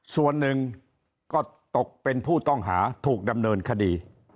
ส่วนหนึ่งก็ตกเป็นผู้ต้องหาถูกดำเนินคดี